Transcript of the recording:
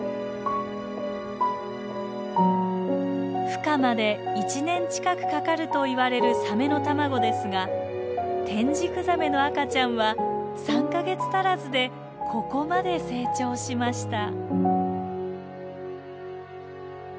ふ化まで１年近くかかるといわれるサメの卵ですがテンジクザメの赤ちゃんは３か月足らずでここまで成長しました。